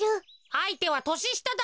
あいてはとししただろ。